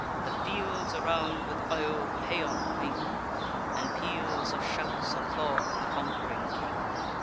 The fields around with Io Paean! ring; And peals of shouts applaud the conqu'ring king.